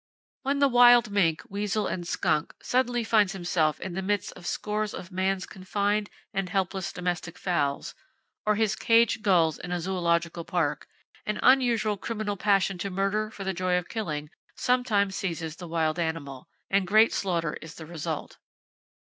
When the wild mink, weasel and skunk suddenly finds himself in the midst of scores of man's confined and helpless domestic fowls, or his caged gulls in a zoological park, an unusual criminal passion to murder for the joy of killing sometimes seizes the wild animal, and great slaughter is the result.